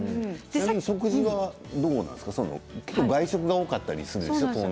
食事は外食が多かったりするんですか？